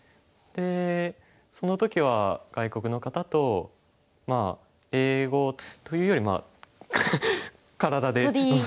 でその時は外国の方と英語というよりまあ体で。